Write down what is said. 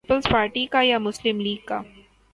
Peoples Party کا یا Muslim League کا؟